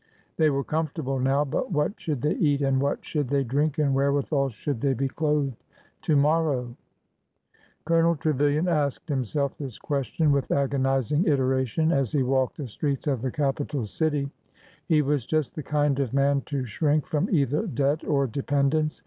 They were comfortable now, but " what should they eat and what should they drink and wherewithal should they be clothed " to morrow ? Colonel Trevilian asked himself this question with ago nizing iteration as he walked the streets of the capital city. He was just the kind of man to shrink from either debt or dependence.